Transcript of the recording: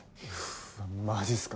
うわマジっすか。